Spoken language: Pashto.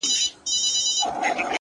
پسله كلونو چي ژړا وينمه خوند راكوي.!